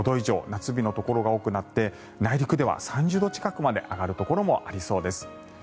夏日のところが多くなって内陸では３０度近くまで上がるところもありそうです。